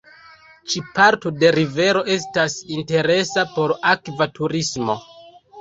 Ĉi parto de rivero estas interesa por akva turismo.